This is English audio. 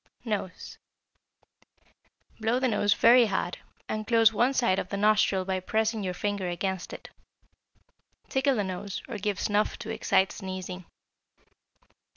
=Nose.= Blow the nose very hard, and close one side of the nostril by pressing your finger against it. Tickle the nose or give snuff to excite sneezing.